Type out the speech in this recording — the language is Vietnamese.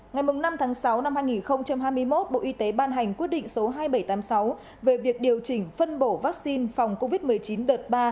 ngày năm tháng sáu năm hai nghìn hai mươi một bộ y tế ban hành quyết định số hai nghìn bảy trăm tám mươi sáu về việc điều chỉnh phân bổ vaccine phòng covid một mươi chín đợt ba